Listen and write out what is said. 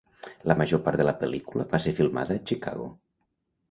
La major part de la pel·lícula va ser filmada a Chicago.